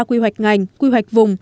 quy hoạch ngành quy hoạch vùng